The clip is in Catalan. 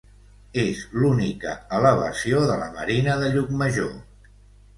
És l'única elevació de la Marina de Llucmajor.